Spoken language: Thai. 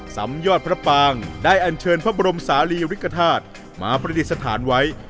สำยอดพระปางได้อันเชิญพระบรมศาลีริกฐาตุมาประดิษฐานไว้